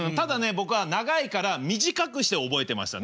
僕は長いから短くして覚えてましたね。